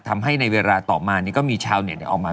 ทำให้ในเวลาต่อมาเนี่ยก็มีชาวเนี่ยเนี่ยออกมา